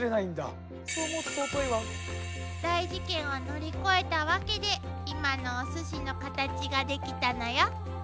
大事件を乗り越えたわけで今のおすしのカタチができたのよ。